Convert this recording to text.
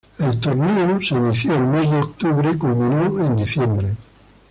El torneo inició el mes de octubre y culminó en diciembre.